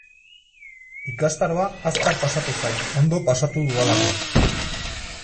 Ikastaroa azkar pasatu zait, ondo pasatu dudalako.